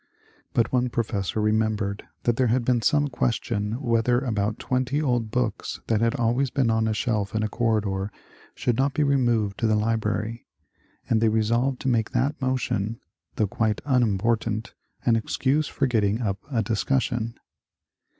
But one professor remembered that there had been some question whether about twenty old books that had always been on a shelf in a corridor should not be removed to the library, and they resolved to make that motion, though quite unimportant, an excuse for getting up a discussion.